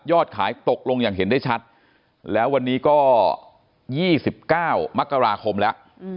ขายตกลงอย่างเห็นได้ชัดแล้ววันนี้ก็๒๙มกราคมแล้ว